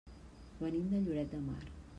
Venim de Lloret de Mar.